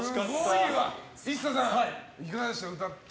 ＩＳＳＡさん、いかがでした？